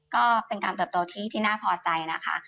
ก็เป็นการเติบโตที่น่าพอใจนะคะ